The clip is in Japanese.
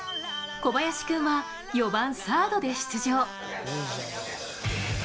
小林君は、４番サードで出場。